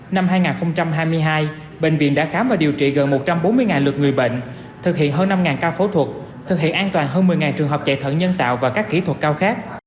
năm hai nghìn hai mươi hai bệnh viện đã khám và điều trị gần một trăm bốn mươi lượt người bệnh thực hiện hơn năm ca phẫu thuật thực hiện an toàn hơn một mươi trường hợp chạy thận nhân tạo và các kỹ thuật cao khác